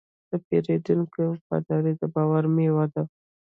د پیرودونکي وفاداري د باور میوه ده.